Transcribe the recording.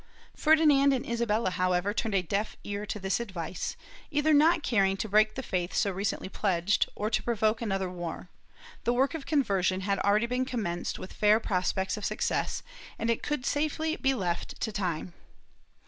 Ferdinand and Isabella, however, turned a deaf ear to this advice, either not caring to break the faith so recently pledged, or to provoke another war; the work of conversion had already been commenced with fair prospects of success and it could safely be left to time.'